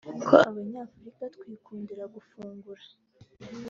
ko Abanyafurika twikundira gufungura